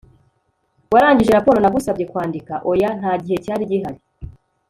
warangije raporo nagusabye kwandika? oya. nta gihe cyari gihari